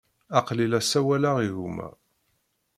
Aql-i la sawaleɣ i gma.